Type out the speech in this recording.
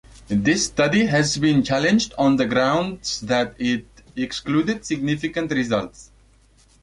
This study has been challenged on the grounds that it excluded significant results.